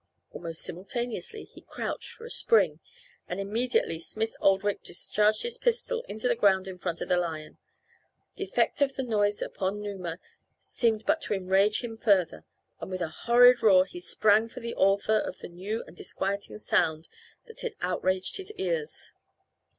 Almost simultaneously he crouched for a spring and immediately Smith Oldwick discharged his pistol into the ground in front of the lion. The effect of the noise upon Numa seemed but to enrage him further, and with a horrid roar he sprang for the author of the new and disquieting sound that had outraged his ears.